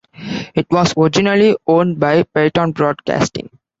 It was originally owned by Peyton Broadcasting.